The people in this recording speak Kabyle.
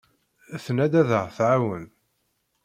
Tenna-d ad aɣ-tɛawen.